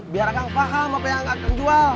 biar kakang paham apa yang akan jual